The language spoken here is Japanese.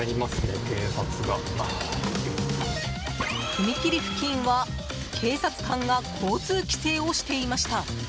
踏切付近は警察官が交通規制をしていました。